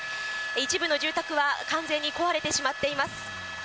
一部の住宅は完全に壊れてしまっています。